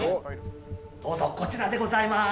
どうぞこちらでございます